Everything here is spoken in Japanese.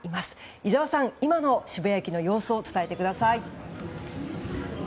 井澤さん、今の渋谷駅の様子を伝えてください。